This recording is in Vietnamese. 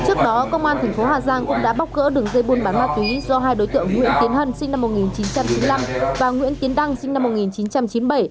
trước đó công an thành phố hà giang cũng đã bóc gỡ đường dây buôn bán ma túy do hai đối tượng nguyễn tiến hân sinh năm một nghìn chín trăm chín mươi năm và nguyễn tiến đăng sinh năm một nghìn chín trăm chín mươi bảy